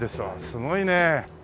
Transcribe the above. すごいね！